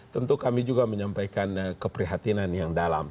tentu kami juga menyampaikan keprihatinan yang dalam